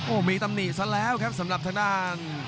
โอ้โหมีตำหนิซะแล้วครับสำหรับทางด้าน